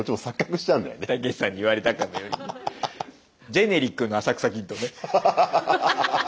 ジェネリックの浅草キッドね。